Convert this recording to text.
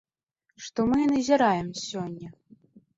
Што мы і назіраем сёння.